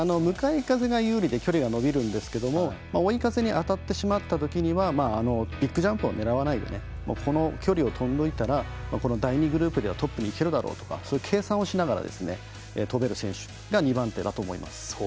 向かい風が有利で距離が伸びるんですが追い風に当たってしまったときにはビッグジャンプを狙わないでこの距離を飛んでおいたらこの第２グループではトップにいけるだろうとか計算をしながら飛べる選手が２番手だと思います。